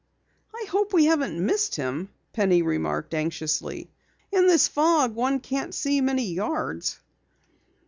"I hope we haven't missed him," Penny remarked anxiously. "In this fog one can't see many yards."